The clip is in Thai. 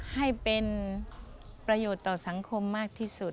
ให้เป็นประโยชน์ต่อสังคมมากที่สุด